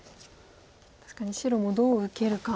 確かに白もどう受けるか。